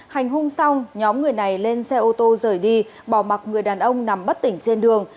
hành hung xong nhóm người này lên xe ô tô rời đi bỏ mặt người đàn ông nằm bất tỉnh trên đường